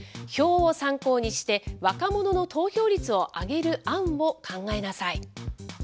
表を参考にして、若者の投票率を上げる案を考えなさい。